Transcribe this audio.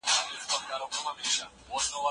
ډاکټران به د نوي ناروغۍ په اړه پلټنه کوي.